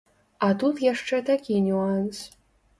А тут яшчэ такі нюанс.